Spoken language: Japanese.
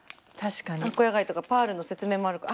アコヤガイとかパールの説明もあるから。